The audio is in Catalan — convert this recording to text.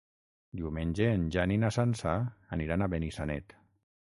Diumenge en Jan i na Sança aniran a Benissanet.